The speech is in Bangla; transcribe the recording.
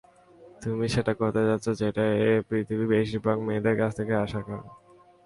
তুমি সেটাই করতে যাচ্ছ যেটা এই পৃথিবী বেশিরভাগ মেয়েদের কাছ থেকে আশা করে।